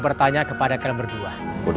bertanya kepada kalian berdua